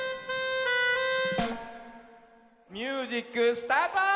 ミュージックスタート！